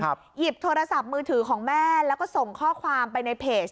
หยิบโทรศัพท์มือถือของแม่แล้วก็ส่งข้อความไปในเพจ